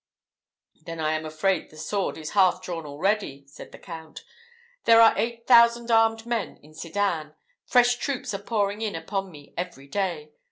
"Then I am afraid the sword is half drawn already," said the Count. "There are eight thousand armed men in Sedan. Fresh troops are pouring in upon me every day.